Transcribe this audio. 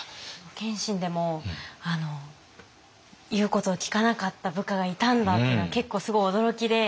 謙信でも言うことを聞かなかった部下がいたんだっていうのは結構すごい驚きで。